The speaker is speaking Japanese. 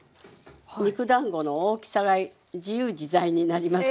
肉だんごの大きさが自由自在になりますよ。